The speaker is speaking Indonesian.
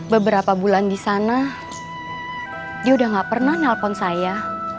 beberapa bulan di sana dia udah gak pernah nelpon saya